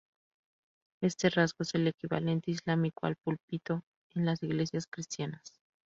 Este rasgo es el equivalente islámico al púlpito en las iglesias cristianas.